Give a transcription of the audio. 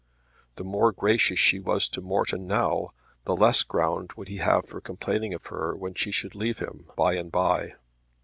The more gracious she was to Morton now the less ground would he have for complaining of her when she should leave him by and by.